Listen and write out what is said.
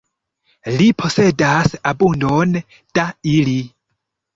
Li posedas abundon da ili.